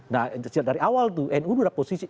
nah dari awal tuh nu ada posisi